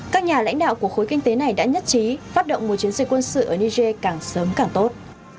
các nhà lãnh đạo của khối kinh tế này đã nhất trí phát động một chiến dịch quân sự ở niger càng sớm càng tốt